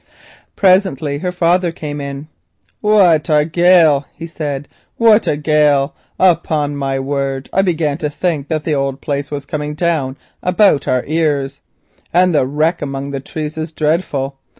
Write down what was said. Presently her father came in. "What a gale," he said, "what a gale! Upon my word I began to think that the old place was coming down about our ears, and the wreck among the trees is dreadful.